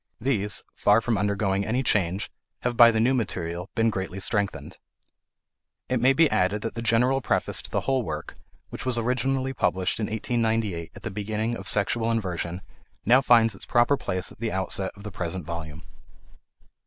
These, far from undergoing any change, have by the new material been greatly strengthened. It may be added that the General Preface to the whole work, which was originally published in 1898 at the beginning of "Sexual Inversion," now finds its proper place at the outset of the present volume.